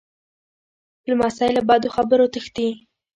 لمسی له بدو خبرو تښتي.